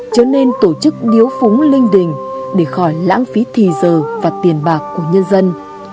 trở nên tổ chức điếu phúng linh đình để khỏi lãng phí thì giờ và tiền bạc của nhân dân